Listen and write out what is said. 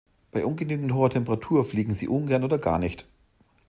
Bei ungenügend hoher Temperatur fliegen sie ungern oder gar nicht.